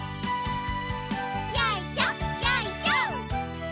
よいしょよいしょ。